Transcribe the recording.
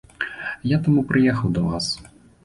Я таму прыехаў да вас.